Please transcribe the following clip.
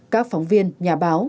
các phóng viên nhà báo